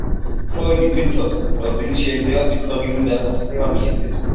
ფროიდი ფიქრობს, რომ ძილს შეიძლება ფსიქოლოგიური დახასიათება მიეცეს.